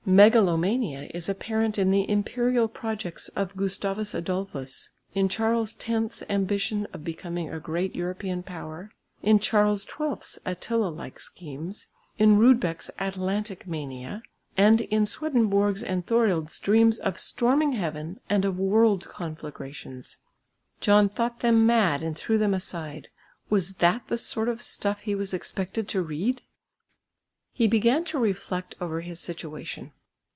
Megalomania is apparent in the imperial projects of Gustavus Adolphus, in Charles X's ambition of becoming a great European power, in Charles XII's Attila like schemes, in Rudbeck's Atlantic mania, and in Swedenborg's and Thorild's dreams of storming heaven and of world conflagrations. John thought them mad and threw them aside. Was that the sort of stuff he was expected to read? He began to reflect over his situation.